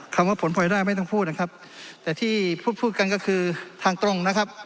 คำว่าผลพลอยได้ไม่ต้องพูดนะครับแต่ที่พูดพูดกันก็คือทางตรงนะครับ